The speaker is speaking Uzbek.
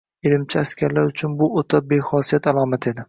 Irimchi askarlar uchun bu o‘ta bexosiyat alomat edi